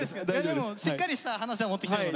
でもしっかりした話は持ってきてるので。